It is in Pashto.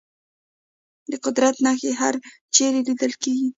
د قدرت نښې هرچېرې لیدل کېږي.